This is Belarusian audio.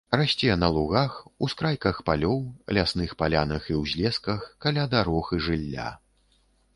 Расце на лугах, ускрайках палёў, лясных палянах і ўзлесках, каля дарог і жылля.